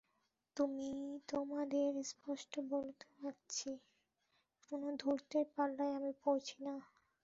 আমি তোমাদের স্পষ্ট বলে রাখছি, কোন ধূর্তের পাল্লায় আমি পড়ছি না।